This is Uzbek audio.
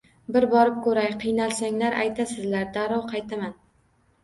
Bir borib ko`ray, qiynalsanglar aytasizlar, darrov qaytaman